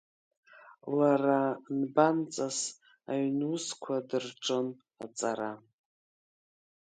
Лара нбанҵас аҩнусқәа дырҿын аҵара…